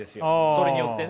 それによってね。